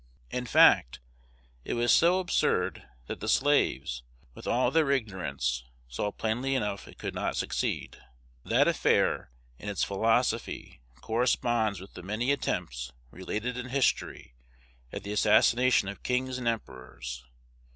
In fact, it was so absurd that the slaves, with all their ignorance, saw plainly enough it could not succeed. 'That affair, in its philosophy, corresponds with the many attempts, related in history, at the assassination of kings and emperors.